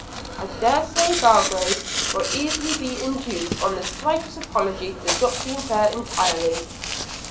I dare say Belgrave will easily be induced, on the slightest apology, to drop the affair entirely.'